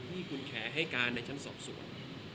ที่คุณแขให้การในชั้นสอบสวน